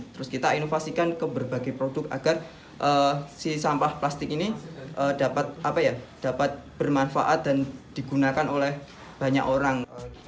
terus kita inovasikan ke berbagai produk agar si sampah plastik ini dapat bermanfaat dan digunakan oleh banyak orang